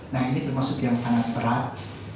nah ini termasuk yang sangat berat